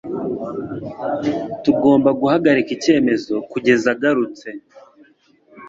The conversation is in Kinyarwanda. T Tugomba guhagarika icyemezo kugeza agarutse.